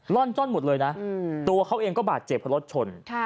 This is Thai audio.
ร่อนจ้อนหมดเลยนะตัวเขาเองก็บาดเจ็บเพราะรถชน